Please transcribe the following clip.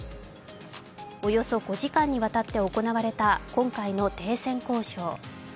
およそ５時間にわたって行われた今回の停戦交渉。